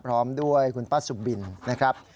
พร้อมด้วยคุณป้าสุบินนะครับ